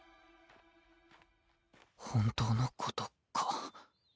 本当のことか。